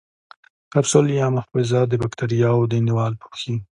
کپسول یا محفظه د باکتریاوو دیوال پوښي.